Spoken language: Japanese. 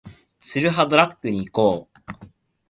ツルハドラッグに行こう